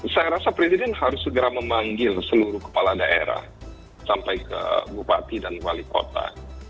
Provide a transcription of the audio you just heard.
saya rasa presiden harus segera memanggil seluruh kepala daerah sampai ke bupati dan wali kota